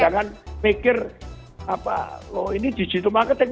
jangan mikir apa loh ini digital marketing